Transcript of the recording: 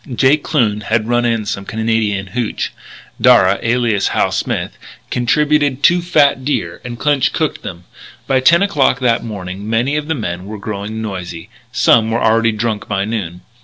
Jake Kloon had run in some Canadian hooch; Darragh, alias Hal Smith, contributed two fat deer and Clinch cooked them. By ten o'clock that morning many of the men were growing noisy; some were already drunk by noon.